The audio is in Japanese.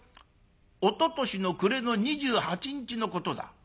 おととしの暮れの２８日のことだ」。